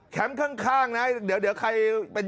ข้างนะเดี๋ยวใครเป็น